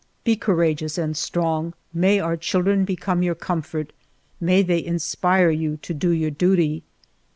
... Be courageous and strong! May our children become your comfort, may they inspire you to do your duty